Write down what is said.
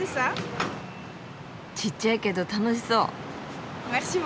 ちっちゃいけど楽しそう。